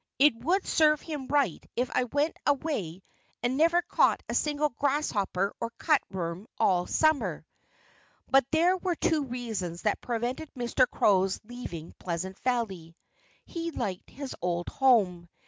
It would serve him right if I went away and never caught a single grasshopper or cutworm all summer." But there were two reasons that prevented Mr. Crow's leaving Pleasant Valley. He liked his old home.